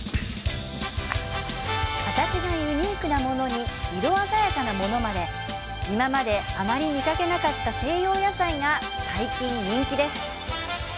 形がユニークなものに色鮮やかなものまで今まであまり見かけなかった西洋野菜が最近人気です。